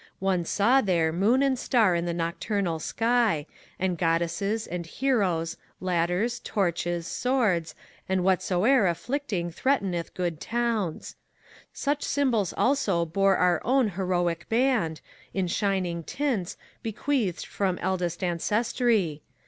One saw there moon and star on the nocturnal sky. And goddesses, and heroes, ladders, torches, swords, And whatsoe'er afflicting threateneth good towns. Such symbols also bore our own heroic band, In shining tints, bequeathed from eldest ancestry.